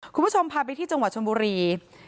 คุณผู้ชมพาไปที่จังหวัดชนบุรี